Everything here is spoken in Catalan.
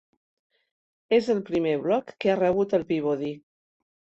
És el primer blog que ha rebut el Peabody.